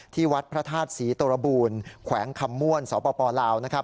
ที่วัดพระธาตุศรีตรบูรณ์แขวงคำม้วนสปลาว